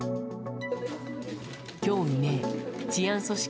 今日未明治安組織